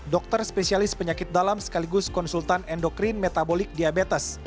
dokter spesialis penyakit dalam sekaligus konsultan endokrin metabolik diabetes